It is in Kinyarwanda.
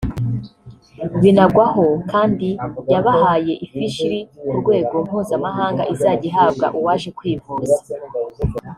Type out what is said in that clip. Binagwaho kandi yabahaye ifishi iri ku rwego mpuzamahanga izajya ihabwa uwaje kwivuza